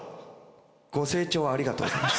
ご清聴ありがとうございました。